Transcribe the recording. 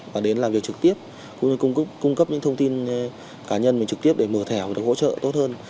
và đến làm việc trực tiếp cũng như cung cấp những thông tin cá nhân mình trực tiếp để mở thẻ và được hỗ trợ tốt hơn